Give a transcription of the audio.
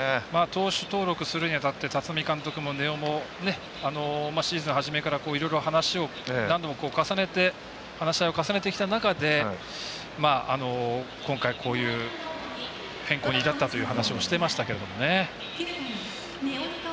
投手登録するにあたって立浪監督も根尾もシーズン始まりから、何度も話し合いを重ねてきた中で今回、こういう変更に至ったという話をしていましたが。